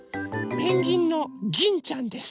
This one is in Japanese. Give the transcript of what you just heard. ペンギンのギンちゃんです。